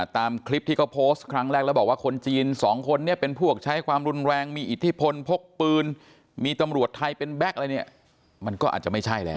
ตามคลิปที่เขาโพสต์ครั้งแรกแล้วบอกว่าคนจีนสองคนนี้เป็นพวกใช้ความรุนแรงมีอิทธิพลพกปืนมีตำรวจไทยเป็นแก๊กอะไรเนี่ยมันก็อาจจะไม่ใช่แล้ว